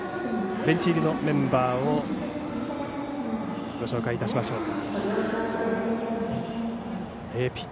ベンチ入りのメンバーをご紹介しましょう。